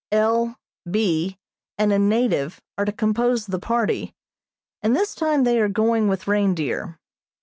L., B. and a native are to compose the party, and this time they are going with reindeer.